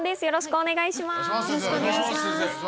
よろしくお願いします。